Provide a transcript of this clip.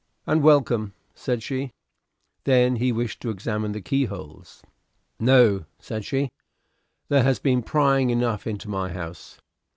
"And welcome," said she. Then he wished to examine the keyholes. "No," said she; "there has been prying enough into my house."